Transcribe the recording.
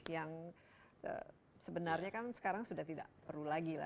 yang sebenarnya kan sekarang sudah tidak perlu lagi lah